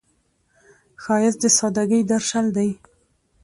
ښایست د سادګۍ درشل دی